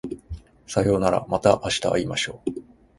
さようならまた明日会いましょう